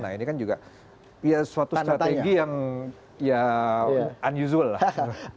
nah ini kan juga ya suatu strategi yang ya unusual lah